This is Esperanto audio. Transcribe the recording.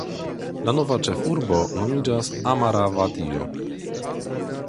La nova ĉefurbo nomiĝas Amaravatio.